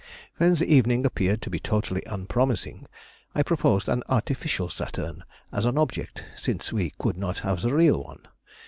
When the evening appeared to be totally unpromising, I proposed an artificial Saturn as an object, since we could not have the real one.